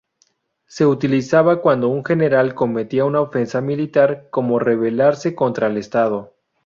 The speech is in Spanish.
Se utilizaba cuando un general cometía una ofensa militar, como rebelarse contra el Estado.